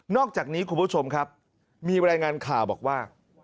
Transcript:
อกจากนี้คุณผู้ชมครับมีรายงานข่าวบอกว่า